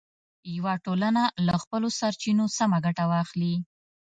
یوه ټولنه له خپلو سرچینو سمه ګټه واخلي.